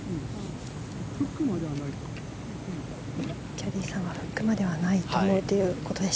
キャディーさんはフックまではないとのことです。